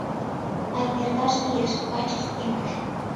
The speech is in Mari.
А эҥерташ лиеш, вачышт пеҥгыде.